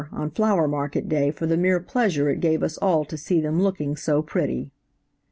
on flower market day for the mere pleasure it gave us all to see them looking so pretty.